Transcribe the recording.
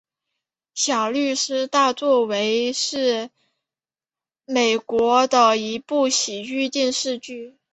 小律师大作为是美国的一部喜剧电视剧。